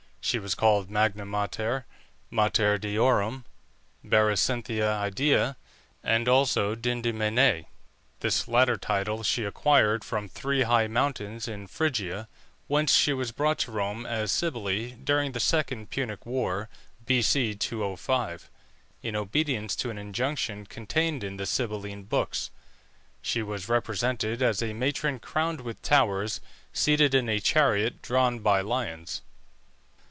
She was called Magna Mater, Mater Deorum, Berecynthia Idea, and also Dindymene. This latter title she acquired from three high mountains in Phrygia, whence she was brought to Rome as Cybele during the second Punic war, B.C. 205, in obedience to an injunction contained in the Sybilline books. She was represented as a matron crowned with towers, seated in a chariot drawn by lions.